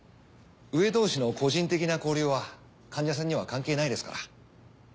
上同士の個人的な交流は患者さんには関係ないですから。